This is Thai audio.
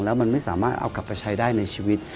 แล้วมันไม่สามารถเอากลับไปใช้ได้ในชีวิต